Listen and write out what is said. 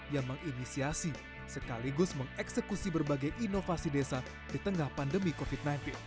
yang menginisiasi sekaligus mengeksekusi berbagai inovasi desa di tengah pandemi covid sembilan belas